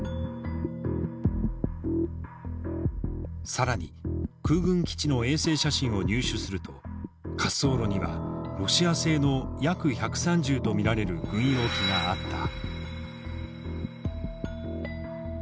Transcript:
更に空軍基地の衛星写真を入手すると滑走路にはロシア製のＹａｋ−１３０と見られる軍用機があった。